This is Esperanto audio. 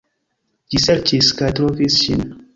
Ĝi serĉis kaj trovis ŝin.